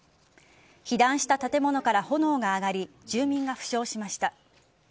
被弾した建物から炎が上がり住民が負傷しました。